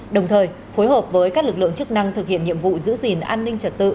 đồng thời phối hợp với các lực lượng chức năng thực hiện nhiệm vụ giữ gìn an ninh trật tự